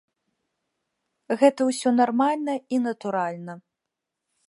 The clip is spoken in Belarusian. Гэта ўсё нармальна і натуральна.